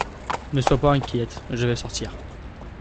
Ne sois pas inquiète, je vais sortir.